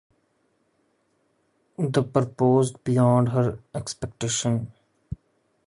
This prospered beyond her expectations.